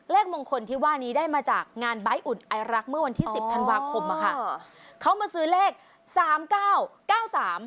มงคลที่ว่านี้ได้มาจากงานใบ้อุ่นไอรักเมื่อวันที่สิบธันวาคมอะค่ะเขามาซื้อเลขสามเก้าเก้าสาม